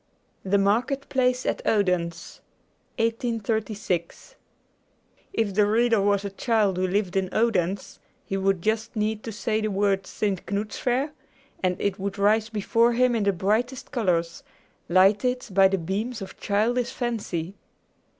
THE MARKET PLACE AT ODENSE (1836) From 'The Story of My Life' If the reader was a child who lived in Odense, he would just need to say the words "St. Knud's Fair," and it would rise before him in the brightest colors, lighted by the beams of childish fancy....